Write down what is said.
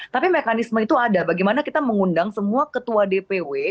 tapi mekanisme itu ada bagaimana kita mengundang semua ketua dpw